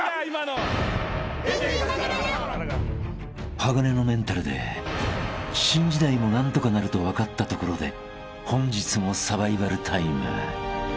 ［鋼のメンタルで新時代も何とかなると分かったところで本日もサバイバルタイム］